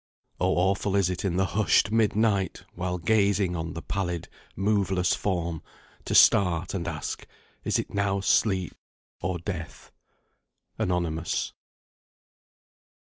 O awful is it in the hushed mid night, While gazing on the pallid, moveless form, To start and ask, 'Is it now sleep or death?'" ANONYMOUS.